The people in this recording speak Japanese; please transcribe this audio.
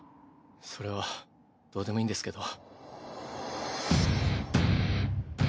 それはどうでもいいんですけど。